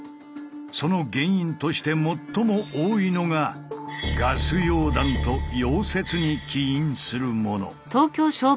その原因として最も多いのがガス溶断と溶接に起因するもの。